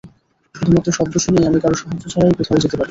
শুধুমাত্র শব্দ শুনেই, আমি কারও সাহায্য ছাড়াই কোথাও যেতে পারি।